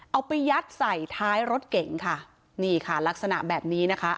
เอาไปยัดใส่ท้ายรถเก๋งค่ะนี่ค่ะลักษณะแบบนี้นะคะ